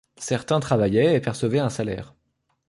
Certains travaillaient et percevaient un salaire.